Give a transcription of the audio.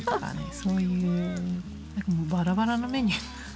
そういうバラバラのメニュー。